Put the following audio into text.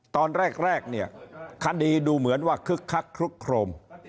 ตอนแรกเนี่ยคดีดูเหมือนว่าคึกคักคลึกโครม